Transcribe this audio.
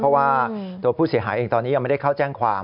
เพราะว่าตัวผู้เสียหายเองตอนนี้ยังไม่ได้เข้าแจ้งความ